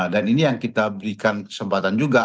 dan ini yang kita berikan kesempatan juga